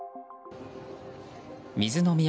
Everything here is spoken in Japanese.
水の都